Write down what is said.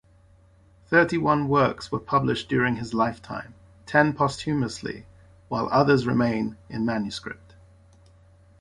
Thirty-one works were published during his lifetime, ten posthumously while others remain in manuscript.